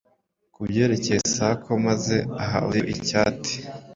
kubyerekeye Circe maze aha Odyeu icyati